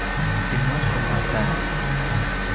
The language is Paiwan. tima su ngadan?